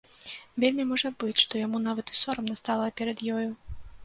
Вельмі можа быць, што яму нават і сорамна стала перад ёю.